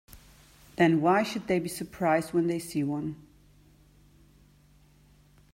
Then why should they be surprised when they see one?